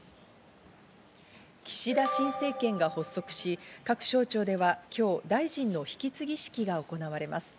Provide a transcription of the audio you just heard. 岸田新政権が発足し、各省庁では今日、大臣の引き継ぎ式が行われます。